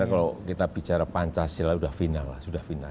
kalau kita bicara pancasila sudah final lah sudah final